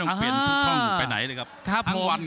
ภูตวรรณสิทธิ์บุญมีน้ำเงิน